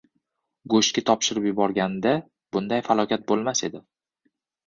Go‘shtga topshirib yuborganida bunday falokat bo‘lmas edi!